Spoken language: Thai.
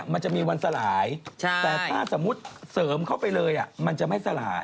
มันจะมีวันสลายแต่ถ้าสมมุติเสริมเข้าไปเลยมันจะไม่สลาย